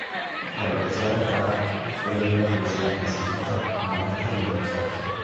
La Universidad de Alcalá fue la primera universidad renacentista, humanista y universal.